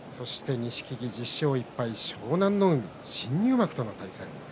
錦木は１０勝１敗、湘南乃海新入幕との対戦です。